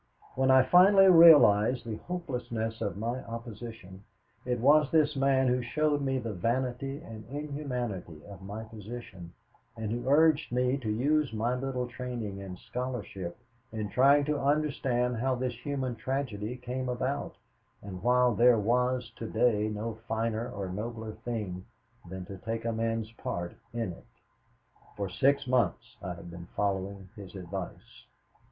When I finally realized the hopelessness of my opposition, it was this man who showed me the vanity and the inhumanity of my position, and who urged me to use my little training and scholarship in trying to understand how this human tragedy came about and why there was to day no finer or nobler thing than to take a man's part in it. For six months I have been following his advice.